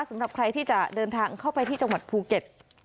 สำหรับใครที่จะเดินทางเข้าไปที่จังหวัดภูเก็ต